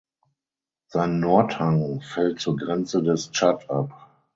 Sein Nordhang fällt zur Grenze des Tschad ab.